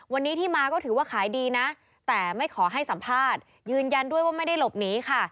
วันนี้ที่มาก็ถือว่าขายดีนะแต่ไม่ขอให้สัมภาษณ์ยืนยันด้วยว่าไม่ได้หลบหนีค่ะ